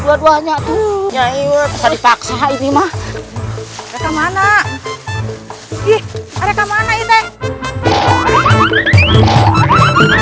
dua duanya tuh ya iya bisa dipaksa ini mah mereka mana ih mereka mana itu